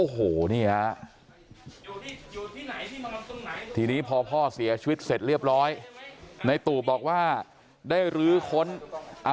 โหนี้พ่อเสียชีวิตเสร็จเรียบร้อยในตู่บอกว่าได้รื้อค้นเอา